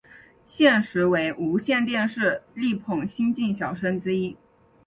现时为无线电视力捧新晋小生之一。